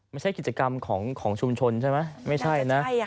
ไม่ใช่กิจกรรมของชุมชนใช่ไหมไม่ใช่นะ